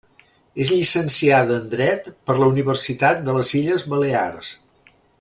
És llicenciada en dret per la Universitat de les Illes Balears.